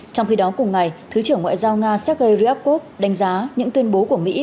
trong khi đó cùng ngày thứ trưởng ngoại giao nga sergei ryabkov đánh giá những tuyên bố của mỹ